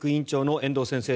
遠藤先生